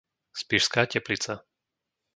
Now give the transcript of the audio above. Spišská Teplica